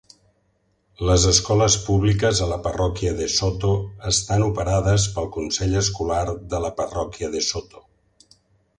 Les escoles públiques a la parròquia DeSoto estan operades pel Consell Escolar de la Parròquia DeSoto.